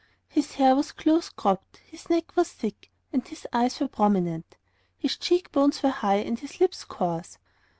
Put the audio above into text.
His hair was close cropped, his neck was thick, and his eyes were prominent; his cheek bones were high, and his lips coarse.